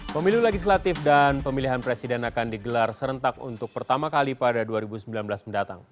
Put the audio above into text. pemilu legislatif dan pemilihan presiden akan digelar serentak untuk pertama kali pada dua ribu sembilan belas mendatang